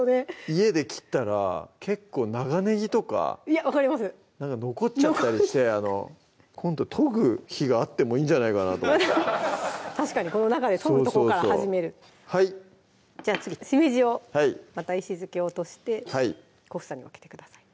家で切ったら結構長ねぎとか分かりますなんか残っちゃったりして今度研ぐ日があってもいいんじゃないかなと確かにこの中で研ぐとこから始める次しめじをまた石突きを落として小房に分けてください